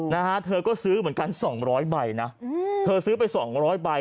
นะฮะเธอก็ซื้อเหมือนกันสองร้อยใบนะอืมเธอซื้อไปสองร้อยใบ